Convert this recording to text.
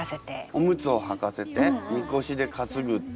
おむつをはかせてみこしで担ぐって